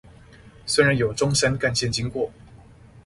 雖然有中山幹線經過